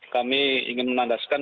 kami ingin menandaskan